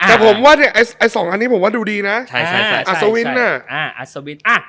แต่ผมว่าเนี่ยไอ้สองอันนี้ผมว่าดูดีนะอัศวินน่ะอัศวินอ่ะ